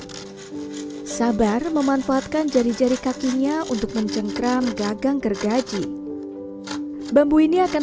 hai sabar memanfaatkan jari jari kakinya untuk mencengkram gagang gergaji bambu ini akan